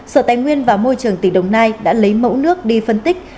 sở tài nguyên và môi trường tỉnh đồng nai đã lấy mẫu nước đi phân tích